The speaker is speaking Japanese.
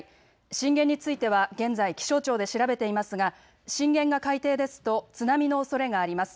震源については現在、気象庁で調べていますが震源が海底ですと津波のおそれがあります。